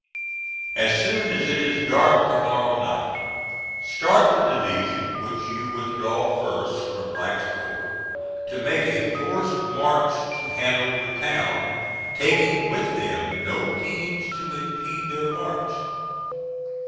As soon as it is dark to morrow night start the division which you withdraw first from Wright's corps to make a forced march to Hanover Town, taking with them no teams to impede their march.